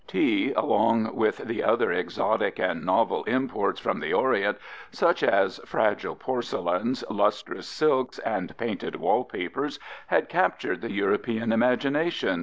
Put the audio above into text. Tea along with the other exotic and novel imports from the Orient such as fragile porcelains, lustrous silks, and painted wallpapers had captured the European imagination.